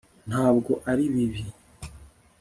ntabwo ari bibi